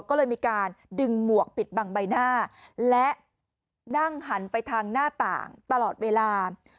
ก็เลยมีการดึงหมวกปิดบังใบหน้าและนั่งหันไปทางหน้าต่างตลอดเวลา